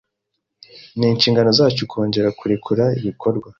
Ninshingano zacu kongera kurekura ibikorwa